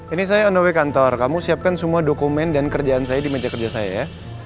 ini saya on away kantor kamu siapkan semua dokumen dan kerjaan saya di meja kerja saya ya